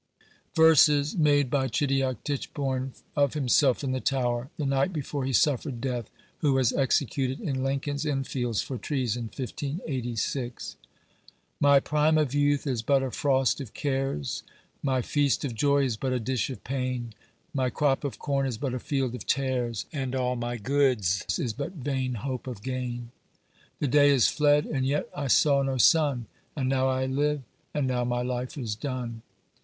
"VERSES, "Made by CHEDIOCK TICHBORNE of himselfe in the Tower, the night before he suffered death, who was executed in Lincoln's Inn Fields for treason. 1586. My prime of youth is but a frost of cares, My feast of joy is but a dish of pain, My crop of corn is but a field of tares, And all my goodes is but vain hope of gain. The day is fled, and yet I saw no sun, And now I live, and now my life is done!